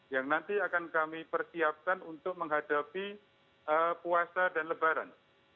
yang nanti akan kami persiapkan untuk menghadapi puasa dan lebaran